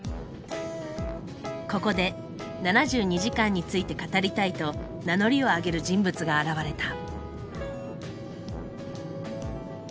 ここで「７２時間」について語りたいと名乗りを上げる人物が現れた。